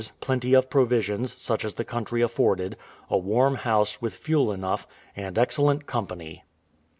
plenty of provisions, such as the country afforded, a warm house, with fuel enough, and excellent company.